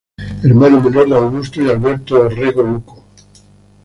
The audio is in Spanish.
Hermano menor de Augusto y Alberto Orrego Luco.